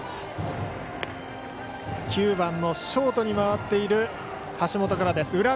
９番のショートに回っている橋本からです。